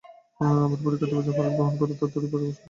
আবার পরীক্ষা দেওয়ার খরচ বহন করা তার দরিদ্র পরিবারের পক্ষে সম্ভব নয়।